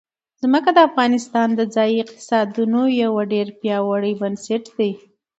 ځمکه د افغانستان د ځایي اقتصادونو یو ډېر پیاوړی بنسټ دی.